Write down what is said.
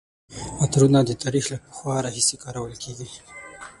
عطرونه د تاریخ له پخوا راهیسې کارول کیږي.